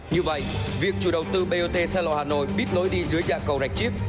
như vậy việc chủ đầu tư bot xe lọ hà nội bíp lối đi dưới dạ cầu đạch chiếc